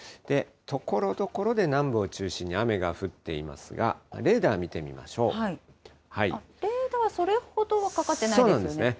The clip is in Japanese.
ところどころで南部を中心に雨が降っていますが、レーダー見てみレーダー、それほどかかってそうなんですね。